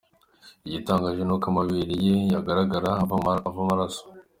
Igitangaje ni uko amabere ye agaragara ava amaraso.